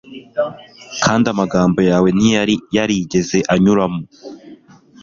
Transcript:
kandi amagambo yawe ntiyari yarigeze anyuramo